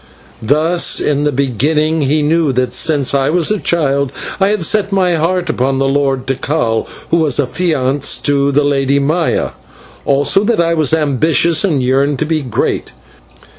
Thus, in the beginning, he knew that since I was a child I had set my heart upon the Lord Tikal, who was affianced to the Lady Maya; also that I was ambitious and yearned to be great.